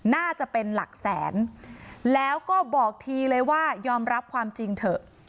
น่าจะเป็นหลักแสนแล้วก็บอกทีเลยว่ายอมรับความจริงเถอะ